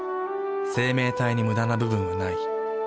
生命体にムダな部分はない。